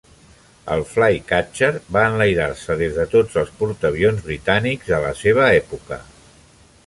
El Flycatcher va enlairar-se des de tots els portaavions britànics de la seva època.